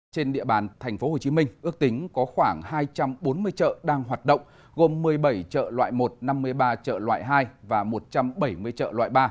trên địa bàn tp hcm ước tính có khoảng hai trăm bốn mươi chợ đang hoạt động gồm một mươi bảy chợ loại một năm mươi ba chợ loại hai và một trăm bảy mươi chợ loại ba